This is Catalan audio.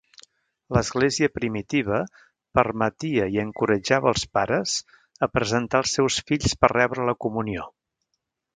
L'Església primitiva permetia i encoratjava els pares a presentar als seus fills per rebre la comunió.